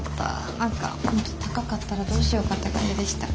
何かもっと高かったらどうしようかって感じでした。